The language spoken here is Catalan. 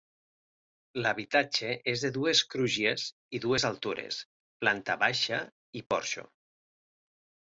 L’habitatge és de dues crugies i dues altures: planta baixa i porxo.